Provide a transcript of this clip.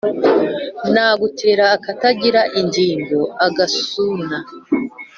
nagutera akatagira ingingo-agasuna.